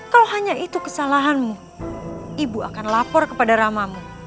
kalau hanya itu kesalahanmu ibu akan lapor kepada ramamu